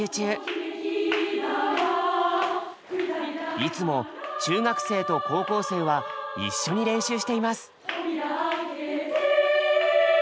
いつも中学生と高校生は一緒に練習しています。